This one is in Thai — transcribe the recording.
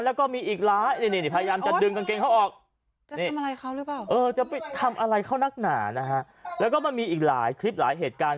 แล้วก็มันมีอีกหลายคลิปหลายเหตุการณ์